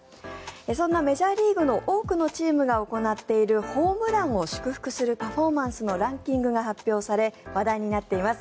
そんなメジャーの多くのチームが行っているホームランを祝福するパフォーマンスのランキングが発表され話題になっています。